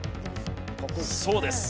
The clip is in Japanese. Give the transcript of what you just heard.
そうです。